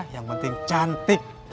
yang penting cantik